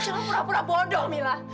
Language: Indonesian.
kamu cuma pura pura bodoh mila